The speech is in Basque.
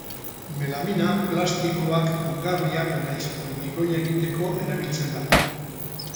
Melamina plastikoak, ongarriak nahiz hormigoia egiteko erabiltzen da.